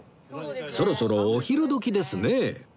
そろそろお昼時ですね